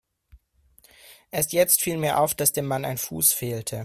Erst jetzt fiel mir auf, dass dem Mann ein Fuß fehlte.